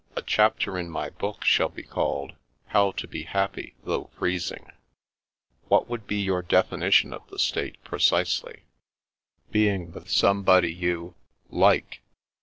A chapter in my book shall be called, * How to be Happy though Freezing.' "What would be your definition of the state, precisely ?"" Being with Somebody you — ^like."